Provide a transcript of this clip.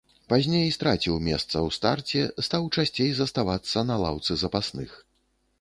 Пазней страціў месца ў старце, стаў часцей заставацца на лаўцы запасных.